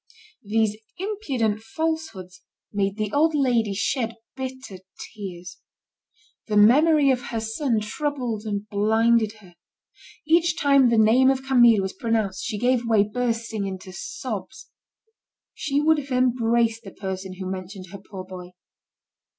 These impudent falsehoods made the old lady shed bitter tears. The memory of her son troubled and blinded her. Each time the name of Camille was pronounced, she gave way, bursting into sobs. She would have embraced the person who mentioned her poor boy.